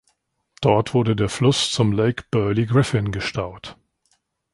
Dort wurde der Fluss zum Lake Burley Griffin gestaut.